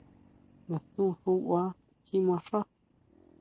¿Ngasun xuʼbá kjimaxá?